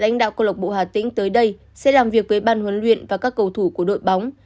lãnh đạo câu lọc bộ hà tĩnh tới đây sẽ làm việc với ban huấn luyện và các cầu thủ của đội bóng